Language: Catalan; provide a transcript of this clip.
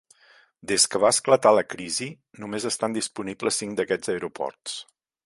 Des que va esclatar la crisi, només estan disponibles cinc d'aquests aeroports.